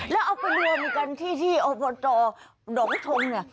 แล้วเอาไปรวมกันที่ที่อบตหนองทงเนี่ย